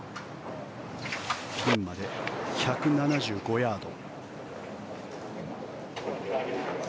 ピンまで１７５ヤード。